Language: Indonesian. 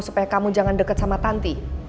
supaya kamu jangan deket sama tanti